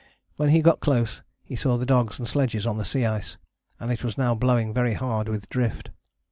When he got close he saw the dogs and sledges on the sea ice, and it was now blowing very hard with drift.